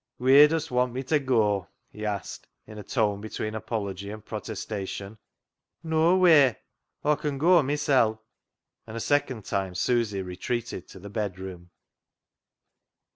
" Wheer dust want mi ta goa ?" he asked, in a tone between apology and protestation. " Noawheer ; Aw con goa mysel'," and a second time Susy retreated to the bedroom.